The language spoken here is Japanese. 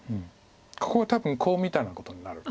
ここは多分コウみたいなことになる。